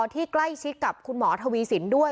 ที่ใกล้ชิดกับคุณหมอทวีสินด้วย